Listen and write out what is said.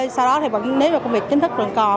sau đó thì nếu là công việc chính thức còn còn